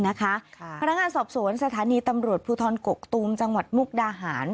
พนักงานสอบสวนสถานีตำรวจภูทรกกตูมจังหวัดมุกดาหาร